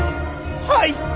はい。